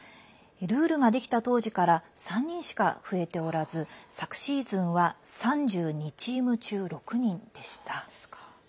ルールができた当時から３人しか増えておらず昨シーズンは３２チーム中６人でした。